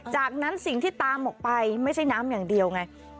จากนั้นสิ่งที่ตามออกไปไม่ใช่น้ำอย่างเดียวไง